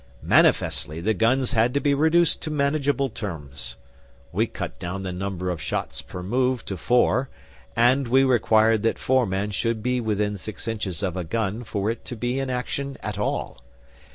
Manifestly the guns had to be reduced to manageable terms. We cut down the number of shots per move to four, and we required that four men should be within six inches of a gun for it to be in action at all.